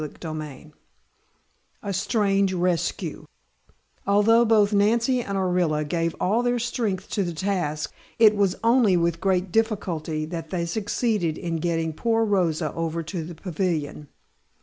CHAPTER VI A STRANGE RESCUE Although both Nancy and Orilla gave all their strength to the task, it was only with great difficulty that they succeeded in getting poor Rosa over to the pavilion.